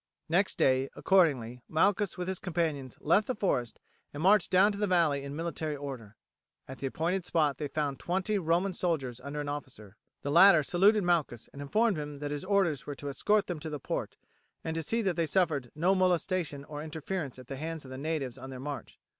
Next day, accordingly, Malchus with his companions left the forest, and marched down to the valley in military order. At the appointed spot they found twenty Roman soldiers under an officer. The latter saluted Malchus, and informed him that his orders were to escort them to the port, and to see that they suffered no molestation or interference at the hands of the natives on their march.